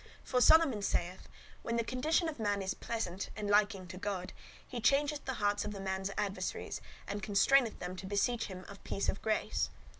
For Solomon saith, 'When the condition of man is pleasant and liking to God, he changeth the hearts of the man's adversaries, and constraineth them to beseech him of peace of grace.